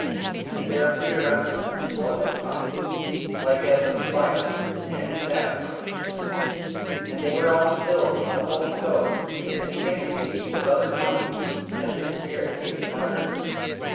44:002:003 And there appeared unto them cloven tongues like as of fire, and it sat upon each of them. 44:002:004 And they were all filled with the Holy Ghost, and began to speak with other tongues, as the Spirit gave them utterance.